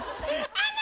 あの！